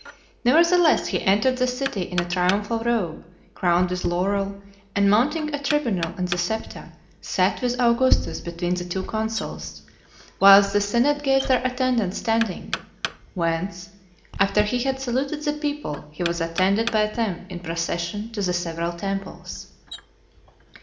Nevertheless, he entered the city in a triumphal robe, crowned with laurel, and mounting a tribunal in the Septa, sat with Augustus between the two consuls, whilst the senate gave their attendance standing; whence, after he had saluted the people, he was attended by them in procession to the several temples.